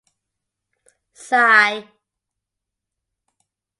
Sigh.